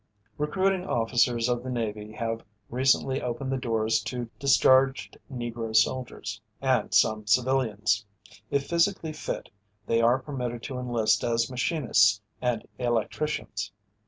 '" Recruiting officers of the Navy have recently opened the doors to discharged Negro soldiers, and some civilians. If physically fit they are permitted to enlist as machinists and electricians.